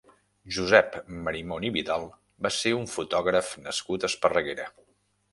Josep Marimon i Vidal va ser un fotògraf nascut a Esparreguera.